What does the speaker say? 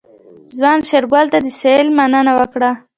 ځوان شېرګل ته د سيرلي مننه وکړه.